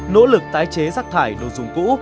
nỗ lực tái chế rác thải đồ dùng cũ